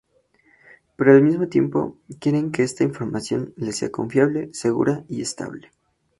Pero al mismo tiempo quieren que esta información les sea confiable, segura y estable.